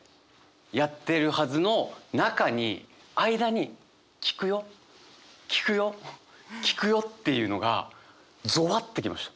やってるはずの中に間に「聞くよ聞くよ聞くよ」っていうのがぞわって来ました。